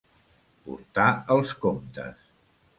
Portar els comptes.